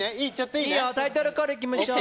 いいよタイトルコールいきましょう。